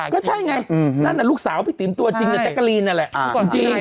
ก็ใช่ไงนั่นน่ะลูกสาวพี่ติ๋มตัวจริงในจักรีนนั่นแหละ